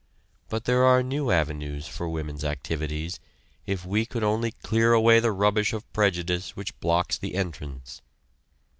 But there are new avenues for women's activities, if we could only clear away the rubbish of prejudice which blocks the entrance.